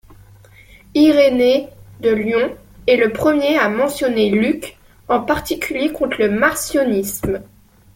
Irénée de Lyon est le premier à mentionner Luc, en particulier contre le marcionisme.